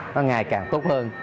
nó ngày càng tốt hơn